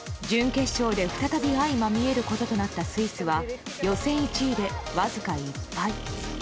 準決勝で再び相まみえることとなったスイスは予選１位で、わずか１敗。